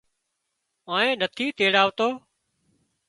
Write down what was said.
آنئين نٿِي تيڙاوتو